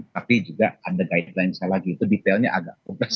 tapi juga ada guide lain misalnya lagi itu detailnya agak perbes